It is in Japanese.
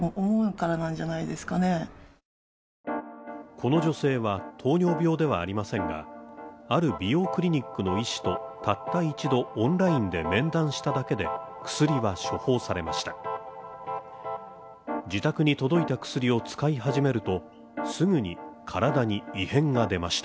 この女性は糖尿病ではありませんがある美容クリニックの医師とたった一度オンラインで面談しただけで薬は処方されました